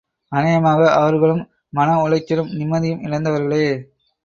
அநேகமாக அவர்களும் மன உளைச்சலும் நிம்மதியும் இழந்தவர்களே.